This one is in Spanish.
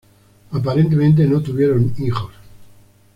Aparentemente no tuvieron hijos.